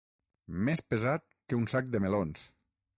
Més pesat que un sac de melons.